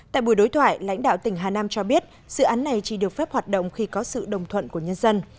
tại buổi đối thoại lãnh đạo tỉnh hà nam cho biết dự án này chỉ được phép hoạt động khi có sự đồng thuận của nhân dân